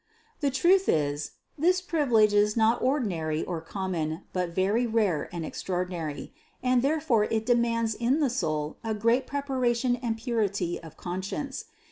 652. The truth is, this privilege is not ordinary or com mon but very rare and extraordinary; and therefore it demands in the soul a great preparation and purity of conscience.